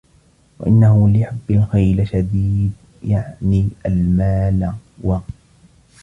وَإِنَّهُ لِحُبِّ الْخَيْرِ لَشَدِيدٍ يَعْنِي الْمَالَ وَ